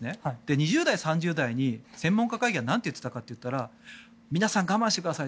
２０代、３０代に専門家会議はなんて言っていたかといったら皆さん我慢してください